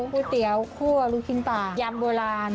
ก๋วยเตี๋ยวคั่วลูกชิ้นปลายำโบราณ